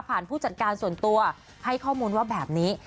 ผู้จัดการส่วนตัวให้ข้อมูลว่าแบบนี้